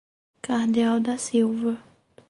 Cardeal da Silva